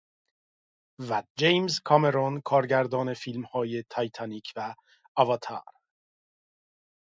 و جیمز کامرون کارگردان فیلم های تاتیتانیک و آواتار